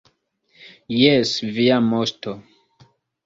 Jes, Via Moŝto.